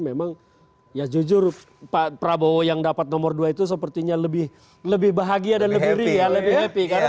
memang ya jujur pak prabowo yang dapat nomor dua itu sepertinya lebih bahagia dan lebih happy